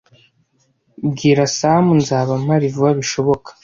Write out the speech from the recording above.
Bwira Sam nzaba mpari vuba bishoboka.